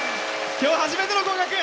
今日初めての合格。